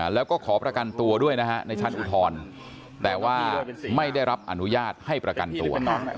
แล้วก็ขอประกันตัวด้วยนะฮะในชั้นอุทธรณ์แต่ว่าไม่ได้รับอนุญาตให้ประกันตัว